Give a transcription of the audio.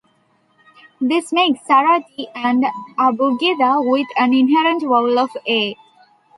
This makes Sarati an abugida with an inherent vowel of "a".